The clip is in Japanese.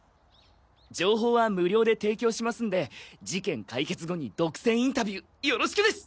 情報は無料で提供しますんで事件解決後に独占インタビューよろしくです！